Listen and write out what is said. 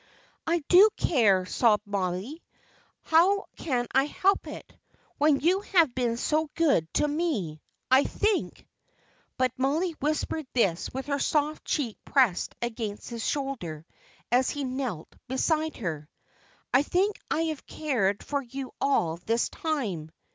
"I do care," sobbed Mollie. "How can I help it, when you have been so good to me? I think" but Mollie whispered this with her soft cheek pressed against his shoulder as he knelt beside her "I think I have cared for you all this time."